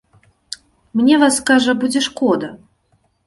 Мне вас, кажа, будзе шкода.